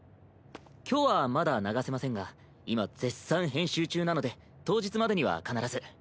今日はまだ流せませんが今絶賛編集中なので当日までには必ず。